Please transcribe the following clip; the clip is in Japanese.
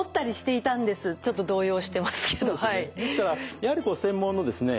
ですからやはり専門のですね